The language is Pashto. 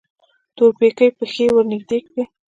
تورپيکۍ پښې ورنږدې کړې.